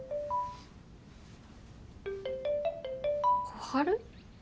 小春？